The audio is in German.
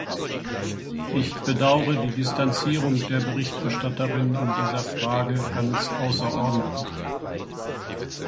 Ich bedaure die Distanzierung der Berichterstatterin in dieser Frage ganz außerordentlich.